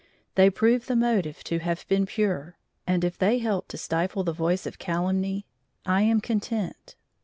They prove the motive to have been pure, and if they shall help to stifle the voice of calumny, I am content.